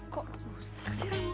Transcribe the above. komunikasi secara fizik